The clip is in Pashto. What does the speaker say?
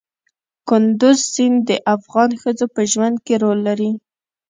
کندز سیند د افغان ښځو په ژوند کې رول لري.